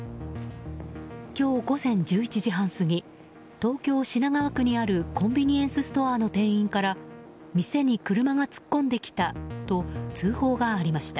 今日午前１１時半過ぎ東京・品川区にあるコンビニエンスストアの店員から店に車が突っ込んできたと通報がありました。